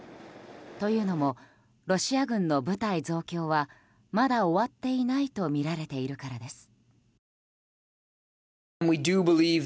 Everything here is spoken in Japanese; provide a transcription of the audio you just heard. というのもロシア軍の部隊増強はまだ終わっていないとみられているからです。